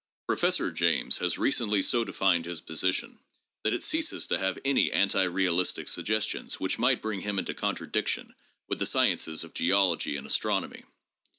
Professor James has recently so defined his position that it ceases to have any anti realistic suggestions which might bring him into contradiction with the sciences of geology and astronomy.